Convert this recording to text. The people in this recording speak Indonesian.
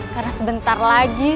karena sebentar lagi